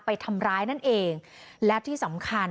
พี่บ๊ายพี่บ๊ายพี่บ๊าย